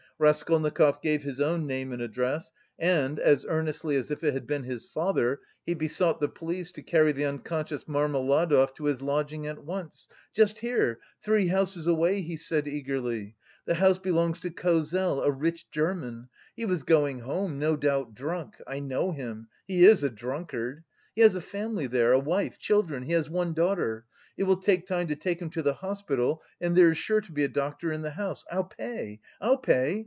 Raskolnikov gave his own name and address, and, as earnestly as if it had been his father, he besought the police to carry the unconscious Marmeladov to his lodging at once. "Just here, three houses away," he said eagerly, "the house belongs to Kozel, a rich German. He was going home, no doubt drunk. I know him, he is a drunkard. He has a family there, a wife, children, he has one daughter.... It will take time to take him to the hospital, and there is sure to be a doctor in the house. I'll pay, I'll pay!